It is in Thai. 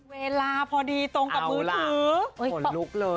เลขเวลาพอดีตรงกับผู้ถือ